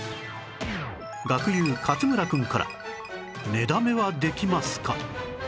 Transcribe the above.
学友勝村くんから寝だめはできますか？